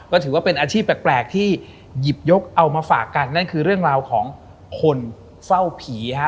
ก็ถือว่าเป็นอาชีพแปลกที่หยิบยกเอามาฝากกันนั่นคือเรื่องราวของคนเฝ้าผีฮะ